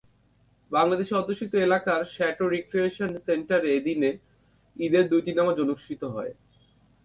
বাংলাদেশি অধ্যুষিত এলাকার chateau recreation সেন্টারে এদিন ঈদের দুইটি জামাত অনুষ্ঠিত হয়।